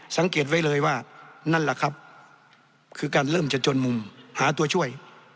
สังเกตไว้เลยว่านั่นแหละครับคือการเริ่มจะจนมุมหาตัวช่วย